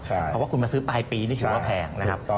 เพราะว่าคุณมาซื้อปลายปีนี่ถือว่าแพงนะครับ